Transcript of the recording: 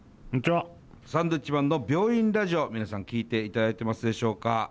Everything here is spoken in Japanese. サンドウィッチマンの「病院ラジオ」皆さん聴いていただいてますでしょうか？